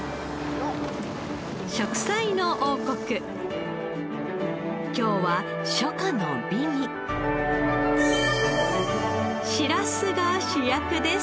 『食彩の王国』今日は初夏の美味しらすが主役です。